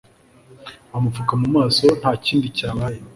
amupfuka mumaso ntakindi cyabaye